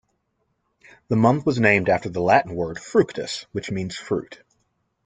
The month was named after the Latin word "fructus", which means "fruit".